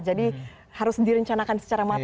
jadi harus direncanakan secara matang